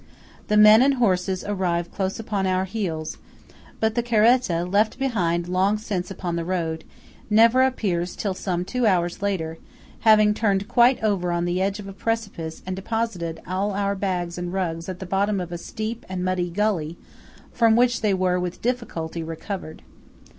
The men and horses arrive close upon our heels; but the caretta, left behind long since upon the road, never appears till some two hours later, having turned quite over on the edge of a precipice and deposited all our bags and rugs at the bottom of a steep and muddy gully, from which they were with difficulty recovered.